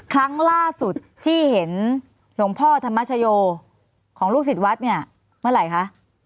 ครั้งล่าสุดที่เห็นหลวงพ่อธรรมชโยของลูกศิษย์วัดเนี่ยเมื่อไหร่คะ